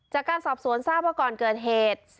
จากการสอบสวนทราบว่าก่อนเกิดเหตุ